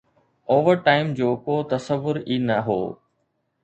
Over time جو ڪو تصور ئي نه هو.